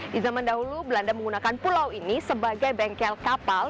di zaman dahulu belanda menggunakan pulau ini sebagai bengkel kapal